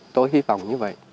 tôi hy vọng như vậy